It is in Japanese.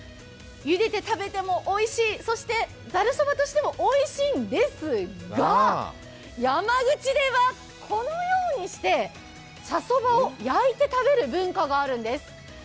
ゆでて食べてもおいしい、そしてざるそばとしてもおいしいんですが、山口では、このようにして茶そばを焼いて食べる文化があるんです。